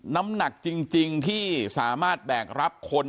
น้ำหนักจริงที่สามารถแบกรับคน